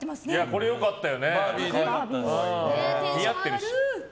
これ、良かったよね。